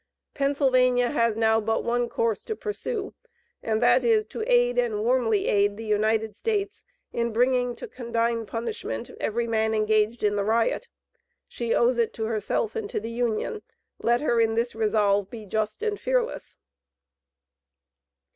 Pennsylvania has now but one course to pursue, and that is to aid, and warmly aid, the United States in bringing to condign punishment, every man engaged in the riot. She owes it to herself and to the Union. Let her in this resolve, be just and fearless."